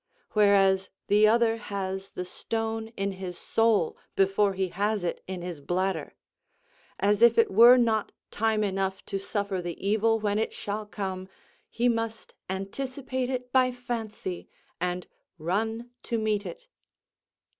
Whereas the other has the stone in his soul, before he has it in his bladder; as if it were not time enough to suffer the evil when it shall come, he must anticipate it by fancy, and run to meet it.